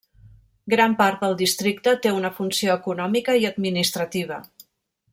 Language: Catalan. Gran part del districte té una funció econòmica i administrativa.